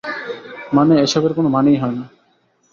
মানে এসবের কোন মানেই হয় না।